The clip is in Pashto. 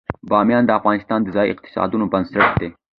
بامیان د افغانستان د ځایي اقتصادونو بنسټ دی.